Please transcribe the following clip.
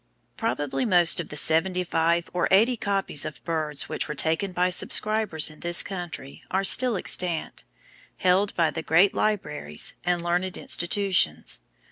Probably most of the seventy five or eighty copies of "Birds" which were taken by subscribers in this country are still extant, held by the great libraries, and learned institutions.